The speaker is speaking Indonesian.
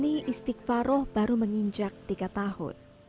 musik hai usia hani istighfaroh baru menginjak tiga tahun